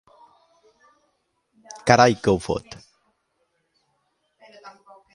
Carai que ho fot!